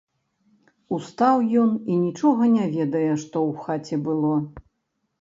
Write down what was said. Устаў ён і нічога не ведае, што ў хаце было.